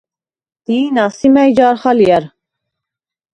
დი̄ნა, სი მა̈ჲ ჯა̄რხ ალჲა̈რ?